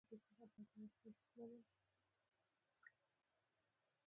د بار تر شاته په ځوړند هنداره کي مې خپل ځان ولید.